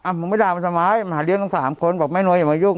อ่ะผมไม่รักมันสมัยมาหาเลี้ยงทั้ง๓คนบอกแม่น้อยอย่ามายุ่ง